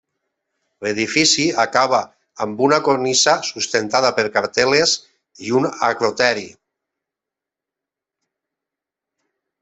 L'edifici acaba amb una cornisa sustentada per cartel·les i un acroteri.